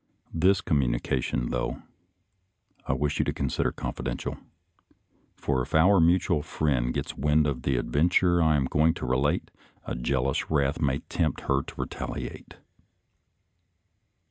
This communication, though, I wish you to consider confidential, for if our mutual friend gets wind of the adventure I am going to relate, a jealous wrath may tempt her to retaliate.